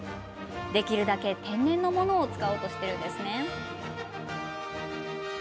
できるだけ天然のものを使おうとしているんですよね。